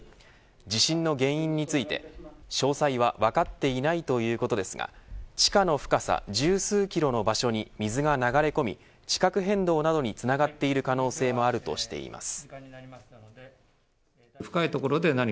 地震の原因について詳細は分かっていないということですが地下の深さ１０数キロの場所に水が流れ込み、地殻変動などにつながっている可能性もあるとしています。